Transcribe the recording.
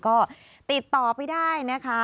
ก็ติดต่อไปได้นะคะ